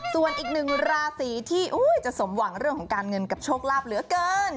ส่วนอีกหนึ่งราศีที่จะสมหวังเรื่องของการเงินกับโชคลาภเหลือเกิน